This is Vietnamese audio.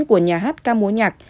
của nhà hát ca mối nhạc